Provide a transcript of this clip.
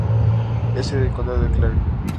Es sede del condado de Clare.